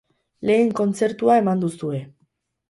Lehen kontzertua eman duzue.